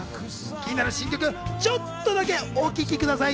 気になる新曲、ちょっとだけお聴きください。